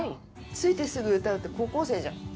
着いてすぐ歌うって高校生じゃん。